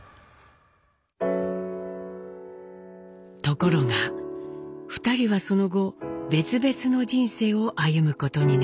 ところが２人はその後別々の人生を歩むことになります。